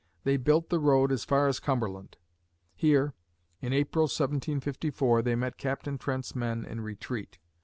They built the road as far as Cumberland. Here, in April, 1754, they met Captain Trent's men in retreat.